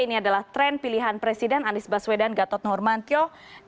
ini adalah tren pilihan presiden anies baswedan dan gator normantio